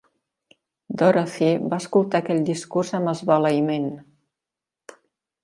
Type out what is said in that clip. Dorothy va escoltar aquell discurs amb esbalaïment.